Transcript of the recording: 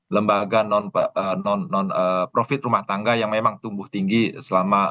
lembaga non profit rumah tangga yang memang tumbuh tinggi selama periode pesta demokrasi kemarin